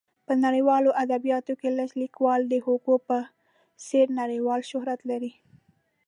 په نړیوالو ادبیاتو کې لږ لیکوال د هوګو په څېر نړیوال شهرت لري.